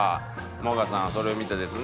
もがさんはそれを見てですね